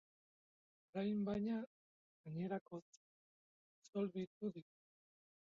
Orain, baina, gainerako seiak absolbitu dituzte.